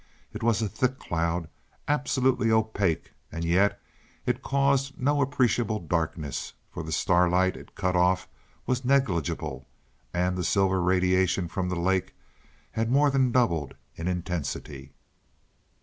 It was a thick cloud, absolutely opaque, and yet it caused no appreciable darkness, for the starlight it cut off was negligible and the silver radiation from the lake had more than doubled in intensity.